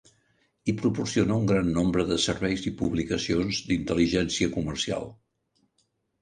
I proporciona un gran nombre de serveis i publicacions d"intel·ligència comercial.